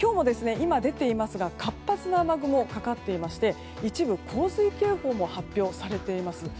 今日も活発な雨雲がかかっていまして一部、洪水警報も発表されています。